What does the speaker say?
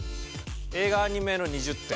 映画・アニメの２０点。